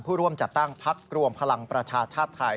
ผู้ร่วมจัดตั้งพักรวมพลังประชาชาติไทย